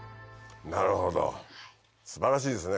なるほど素晴らしいですね